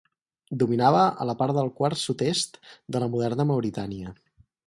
Dominava a la part del quart sud-est de la moderna Mauritània.